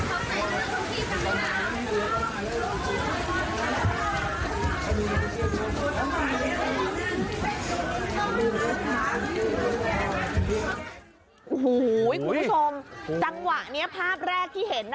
โอ้โหคุณผู้ชมจังหวะนี้ภาพแรกที่เห็น